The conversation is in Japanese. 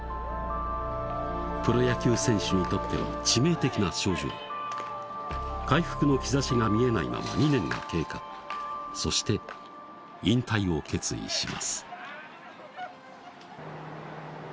プロ野球選手にとっては致命的な症状回復の兆しが見えないまま２年が経過そして引退を決意します